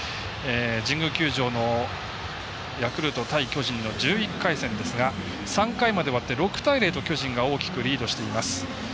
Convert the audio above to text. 神宮球場のヤクルト対巨人の１１回戦ですが３回まで終わって６対０と巨人が大きくリードしています。